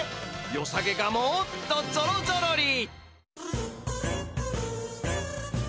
よさげがもっとぞろぞろり！